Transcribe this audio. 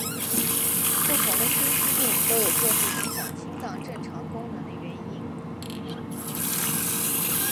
不同的心肌病都有各自影响心脏正常功能的原因。